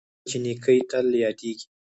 څوک وایي چې نیکۍ تل یادیږي